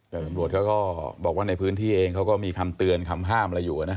แต่ตำรวจเขาก็บอกว่าในพื้นที่เองเขาก็มีคำเตือนคำห้ามอะไรอยู่นะ